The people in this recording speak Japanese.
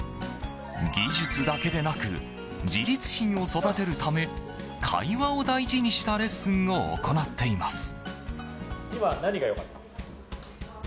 技術だけでなく自立心を育てるため会話を大事にしたレッスンを行っています。